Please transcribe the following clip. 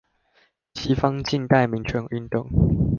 西方近代民權運動